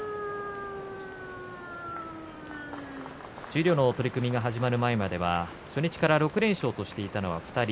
十両の取組が始まる前までは初日から６連勝としていたのは２人。